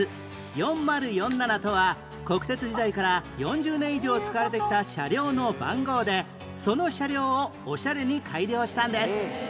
４０４７とは国鉄時代から４０年以上使われてきた車両の番号でその車両をオシャレに改良したんです